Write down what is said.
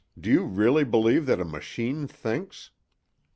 —do you really believe that a machine thinks?"